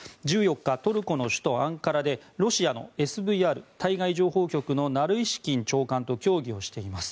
１４日、トルコの首都アンカラでロシアのＳＶＲ・対外情報局ナルイシキン長官と協議をしています。